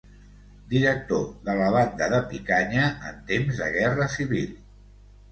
Director de la Banda de Picanya en temps de guerra civil.